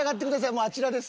もうあちらです。